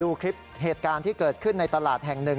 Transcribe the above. ดูคลิปเหตุการณ์ที่เกิดขึ้นในตลาดแห่งหนึ่ง